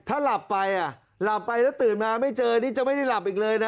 ถ้าหลับไปอ่ะหลับไปแล้วตื่นมาไม่เจอนี่จะไม่ได้หลับอีกเลยนะ